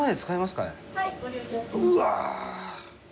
うわ！